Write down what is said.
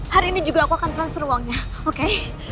hari ini juga aku akan transfer uangnya oke